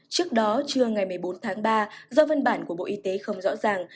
trước đó trưa ngày một mươi bốn tháng ba do văn bản của bộ y tế không rõ ràng